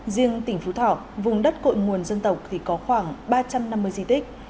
riêng tỉnh phú thọ vùng đất cội nguồn dân tộc thì có khoảng ba trăm năm mươi di tích